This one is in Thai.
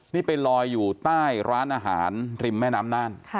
นี่ไปลอยอยู่ใต้ร้านอาหารริมแม่น้ำน่าน